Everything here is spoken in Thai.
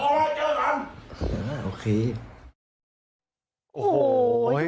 โอ้โฮชิคกี้พาย